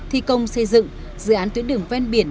thi công xây dựng dự án tuyến đường ven biển